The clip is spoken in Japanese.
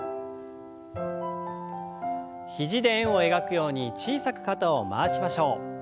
肘で円を描くように小さく肩を回しましょう。